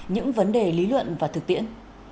những vấn đề lý luận và thực tiễn